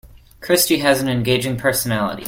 Christy has an engaging personality.